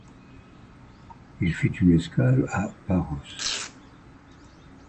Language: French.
Il fit une escale à Paros.